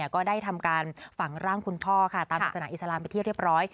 ก็ได้ทำการฝังร่างคุณพ่อค่ะตามศาสนาอิสลามไปที่เรียบร้อย